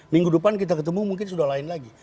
minggu depan kita ketemu mungkin sudah lain lagi